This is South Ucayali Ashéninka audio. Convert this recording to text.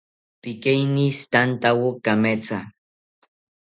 Pikeinistantawo kametha